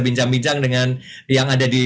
bincang bincang dengan yang ada di